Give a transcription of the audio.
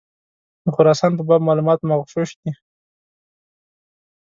د خراسان په باب معلومات مغشوش دي.